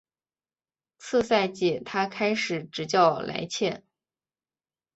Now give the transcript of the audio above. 次赛季他开始执教莱切。